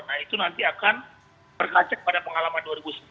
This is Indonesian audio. nah itu nanti akan berkaca pada pengalaman dua ribu sembilan belas